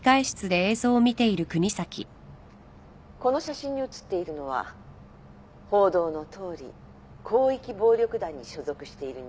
この写真に写っているのは報道のとおり広域暴力団に所属している人間です。